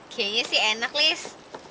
kayaknya sih enak liz